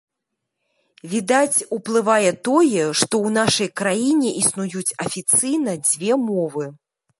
Відаць, уплывае тое, што ў нашай краіне існуюць афіцыйна дзве мовы.